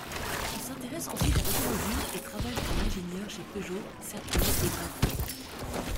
Il s'intéresse ensuite à l'automobile et travaille comme ingénieur chez Peugeot, Serpollet et Brasier.